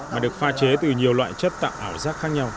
mà được pha chế từ nhiều loại chất tạo ảo giác khác nhau